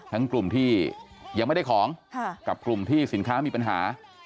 กลุ่มที่ยังไม่ได้ของกับกลุ่มที่สินค้ามีปัญหา